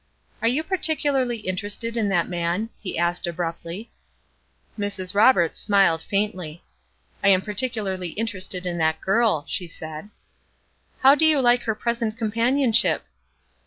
"Are you particularly interested in that man?" he asked, abruptly. Mrs. Roberts smiled faintly. "I am particularly interested in that girl," she said. "How do you like her present companionship?"